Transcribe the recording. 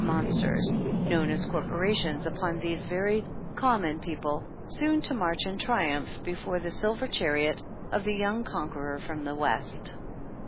onsters known as corporations upon these very "Common People," soon to march in triumph before the silver chariot of the young Conqueror from the West.